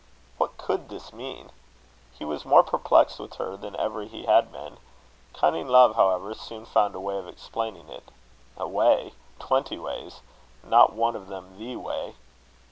What could this mean? He was more perplexed with her than ever he had been. Cunning love, however, soon found a way of explaining it A way? Twenty ways not one of them the way.